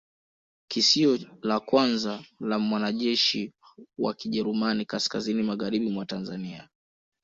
Kisio la kwanza la mwanajeshi wa Kijerumani kaskazini magharibi mwa Tanganyika